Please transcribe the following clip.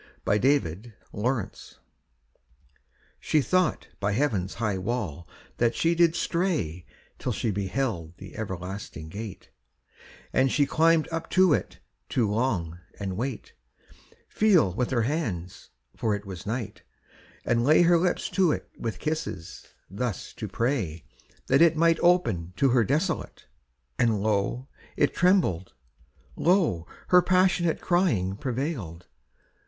COMFORT IN THE NIGHT. She thought by heaven's high wall that she did stray Till she beheld the everlasting gate: And she climbed up to it to long, and wait, Feel with her hands (for it was night), and lay Her lips to it with kisses; thus to pray That it might open to her desolate. And lo! it trembled, lo! her passionate Crying prevailed.